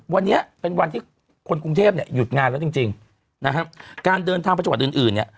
วันนี้เป็นวันที่คนกรุงเทพฯหยุดงานแล้วจริงนะฮะการเดินทางประจวดอื่นเนี่ย